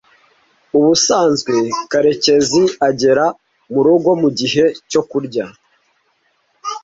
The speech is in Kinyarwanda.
Ubusanzwe Karekezi agera murugo mugihe cyo kurya.